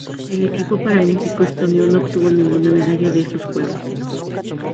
El equipo paralímpico estonio no obtuvo ninguna medalla en estos Juegos.